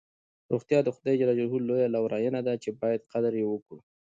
روغتیا د خدای ج لویه لورینه ده چې باید قدر یې وکړو.